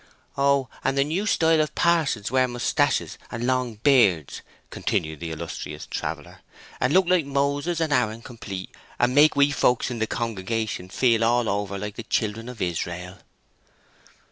"Oh—and the new style of parsons wear moustaches and long beards," continued the illustrious traveller, "and look like Moses and Aaron complete, and make we fokes in the congregation feel all over like the children of Israel."